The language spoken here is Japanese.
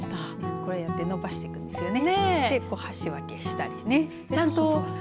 こうやって伸ばしていくんですよね。